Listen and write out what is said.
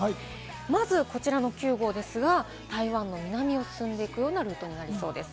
まずこちらの９号ですが、台湾の南を進んでいくようなルートになりそうです。